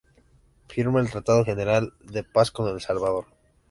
Firma el Tratado general de paz con El Salvador.